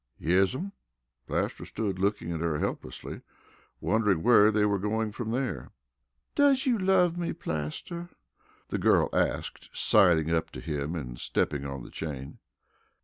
"Yes'm." Plaster stood looking at her helplessly, wondering where they were going from there. "Does you love me, Plaster?" the girl asked, siding up to him and stepping on the chain.